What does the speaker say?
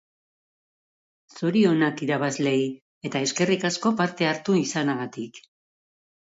Zorionak irabazleei eta eskerrik asko parte hartu izangatik.